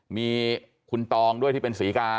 มีคุณตองด้วยที่เป็นศรีกา